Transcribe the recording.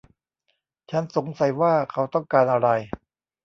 ฉันสงสัยว่าเขาต้องการอะไร